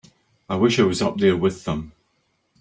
I wish I was up there with them.